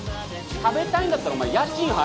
食べたいんだったらお前家賃払え！